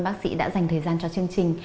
bác sĩ đã dành thời gian cho chương trình